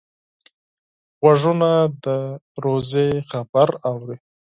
غوږونه د روژې خبر اوري